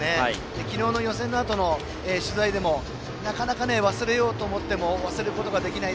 昨日の予選のあとの取材でもなかなか、忘れようと思っても忘れることができない。